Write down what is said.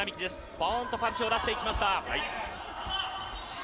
ぽーんとパンチを出していきました。